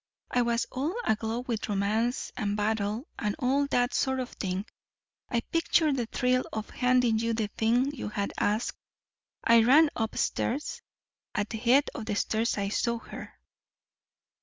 "I was all aglow with romance, and battle, and all that sort of thing. I pictured the thrill of handing you the thing you had asked. I ran up stairs. At the head of the stairs I saw her."